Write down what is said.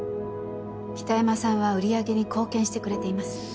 北山さんは売り上げに貢献してくれています。